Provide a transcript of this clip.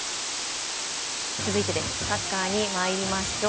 続いてサッカーに参りましょう。